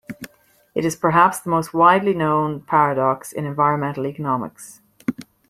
It is perhaps the most widely known paradox in environmental economics.